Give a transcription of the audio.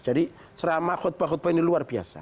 jadi serama khutbah khutbah ini luar biasa